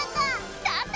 スタート！